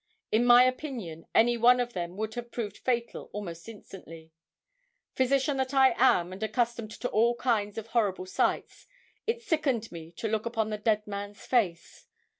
In my opinion, any one of them would have proved fatal almost instantly. Physician that I am and accustomed to all kinds of horrible sights, it sickened me to look upon the dead man's face.